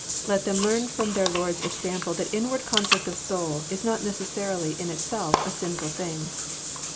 Let them learn from their Lord's example that inward conflict of soul is not necessarily in itself a sinful thing.